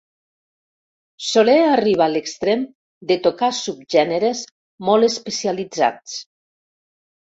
Soler arriba a l'extrem de tocar subgèneres molt especialitzats.